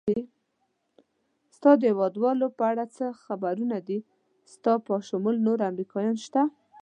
ستا د هېوادوالو په اړه څه خبرونه دي؟ ستا په شمول نور امریکایان شته؟